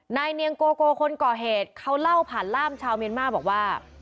นายเนียงโกโกคนก่อเหตุเขาเล่าผ่านล่ามชาวเมียนมาบอกว่า